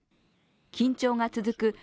緊張が続く